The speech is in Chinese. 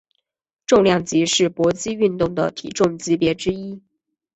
重量级是搏击运动的体重级别之一。